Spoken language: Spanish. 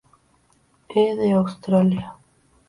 E. de Australia.